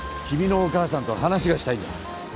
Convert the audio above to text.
君のお母さんと話がしたいんだ